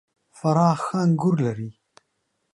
فراه ښه انګور لري .